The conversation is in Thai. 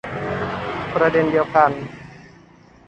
ประเด็นเดียวกัน